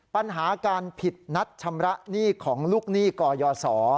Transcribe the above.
ปัญหาการผิดนัดชำระหนี้ของลูกหนี้กยศ